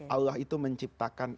allah itu menciptakan